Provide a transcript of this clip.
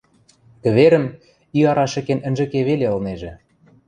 кӹверӹм и ара шӹкен ӹнжӹ ке веле ылнежӹ.